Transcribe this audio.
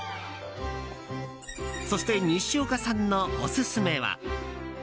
そして、西岡さんのオススメは。